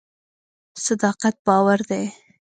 صداقت باور دی.